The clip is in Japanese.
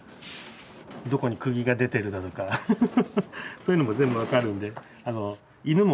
そういうのも全部わかるんで。